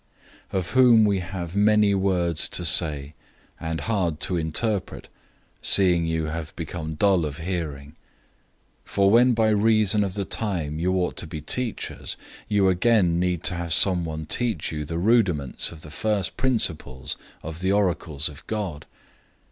005:011 About him we have many words to say, and hard to interpret, seeing you have become dull of hearing. 005:012 For when by reason of the time you ought to be teachers, you again need to have someone teach you the rudiments of the first principles of the oracles of God.